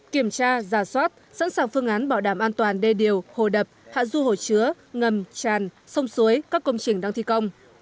kiểm tra giả soát sẵn sàng phương án bảo đảm an toàn đê điều hồ đập hạ du hồ chứa ngầm tràn sông suối các công trình đang thi công